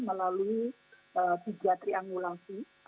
melalui tiga triangulasi